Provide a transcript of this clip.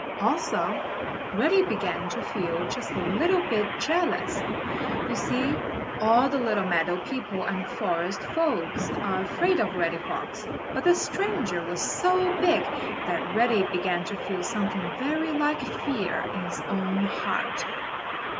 Also, Reddy began to feel just a little bit jealous. You see all the little meadow people and forest folks are afraid of Reddy Fox, but this stranger was so big that Reddy began to feel something very like fear in his own heart.